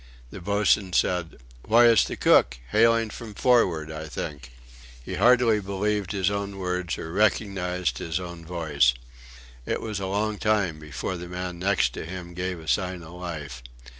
The boatswain said: "Why, it's the cook, hailing from forward, I think." He hardly believed his own words or recognised his own voice. It was a long time before the man next to him gave a sign of life.